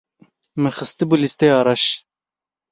Min xistibû lîsteya reş.